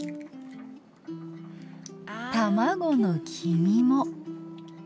卵の黄身も。